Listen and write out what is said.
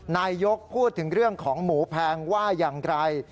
นายยกพูดถึงเรื่องของหมูแพงว่าอย่างไร